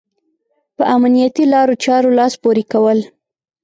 په امنيتي لارو چارو لاس پورې کول.